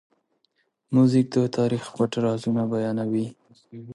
موزیک د تاریخ پټ رازونه بیانوي.